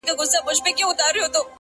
نوره به دي زه له ياده وباسم،